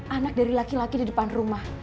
anak dari laki laki di depan rumah